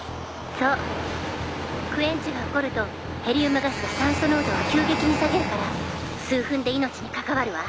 そうクエンチが起こるとヘリウムガスが酸素濃度を急激に下げるから数分で命に関わるわ。